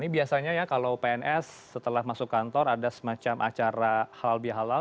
ini biasanya ya kalau pns setelah masuk kantor ada semacam acara halal bihalal